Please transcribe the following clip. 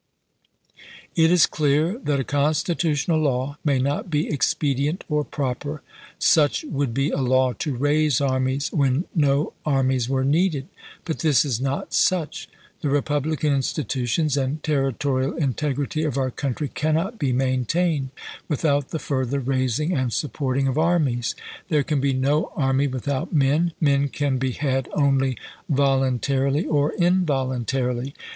" It is clear that a constitutional law may not be expedient or proper. Such would be a law to raise armies when no armies were needed. But this is not such. The republican institutions and terri torial integrity of our country cannot be main tained without the further raising and supporting of armies. There can be no army without men. Men can be had only voluntarily or involuntarily.